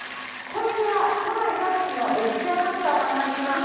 今週は都内各地の歴史や文化を学んでいます。